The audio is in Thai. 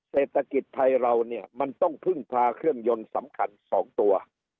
เศรษฐกิจไทยเราเนี่ยมันต้องพึ่งพาเครื่องยนต์สำคัญ๒ตัว